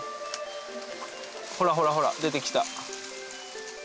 ほらほら出てきた。